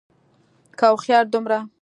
که هوښيار دومره